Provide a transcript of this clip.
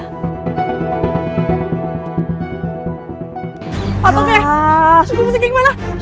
gua mau segimana